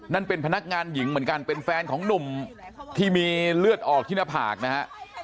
นั่นเป็นพนักงานหญิงเหมือนกันเป็นแฟนของหนุ่มที่มีเลือดออกที่หน้าผากนะฮะ